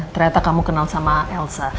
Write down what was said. ternyata kamu kenal sama elsa